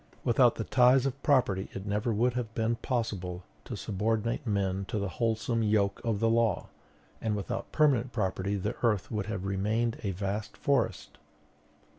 "Without the ties of property it never would have been possible to subordinate men to the wholesome yoke of the law; and without permanent property the earth would have remained a vast forest.